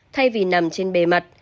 thay vì nằm trên bề mặt